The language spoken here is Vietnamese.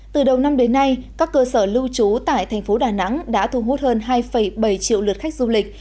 từ đầu năm đến nay các cơ sở lưu trú tại thành phố đà nẵng đã thu hút hơn hai bảy triệu lượt khách du lịch